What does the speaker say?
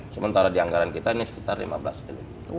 sementara di anggaran kita ini sekitar lima belas triliun